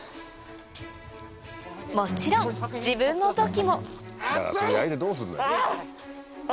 もちろん自分の土器もあ！